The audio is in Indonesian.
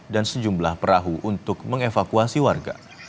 dan sejumlah perahu untuk mengevakuasi warga